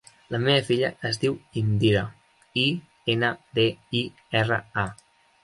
La meva filla es diu Indira: i, ena, de, i, erra, a.